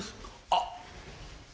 あっ。